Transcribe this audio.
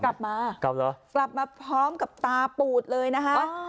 กลับมากลับมาพร้อมกับตาปูดเลยนะคะ